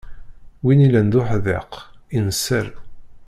Win illan d uḥdiq, inser.